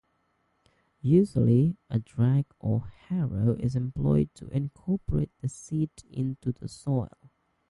Usually, a drag or harrow is employed to incorporate the seed into the soil.